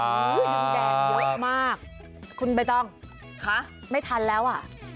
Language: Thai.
ยังแดงเยอะมากคุณบายจ้องค่ะไม่ทันแล้วอ่ะ